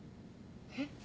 えっ？